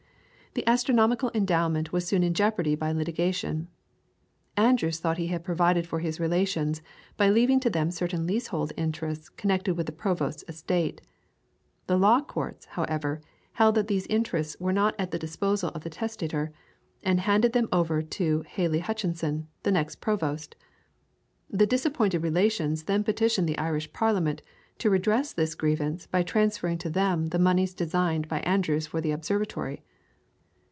The astronomical endowment was soon in jeopardy by litigation. Andrews thought he had provided for his relations by leaving to them certain leasehold interests connected with the Provost's estate. The law courts, however, held that these interests were not at the disposal of the testator, and handed them over to Hely Hutchinson, the next Provost. The disappointed relations then petitioned the Irish Parliament to redress this grievance by transferring to them the moneys designed by Andrews for the Observatory.